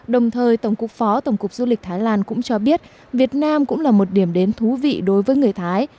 đồng thời tổng cục phó tổng cục du lịch thái lan cũng cho biết việt nam cũng là một điểm đến thú vị đối với người thái